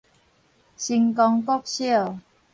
成功國小